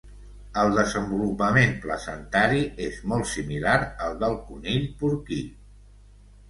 El desenvolupament placentari és molt similar al del conill porquí.